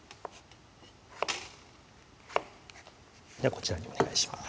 こちらにお願いします